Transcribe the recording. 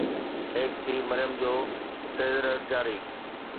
ايڪ ٿِي مريم جو ٽيزر جاري